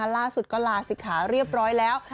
ล่าสุดก็ลาศิกขาเรียบร้อยแล้ว